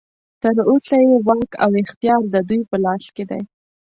تر اوسه یې واک او اختیار ددوی په لاس کې دی.